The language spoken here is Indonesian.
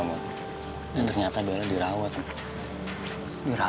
mau ternyata bella dirawat dirawat tapi gue nggak berani buat nyamperin